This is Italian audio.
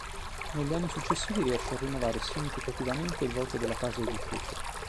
Negli anni successivi riesce a rinnovare significativamente il volto della casa editrice.